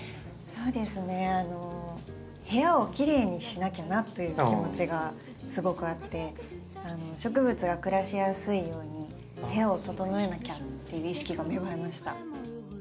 そうですね部屋をきれいにしなきゃなという気持ちがすごくあって植物が暮らしやすいように部屋を整えなきゃっていう意識が芽生えました。